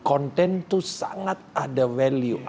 content tuh sangat ada value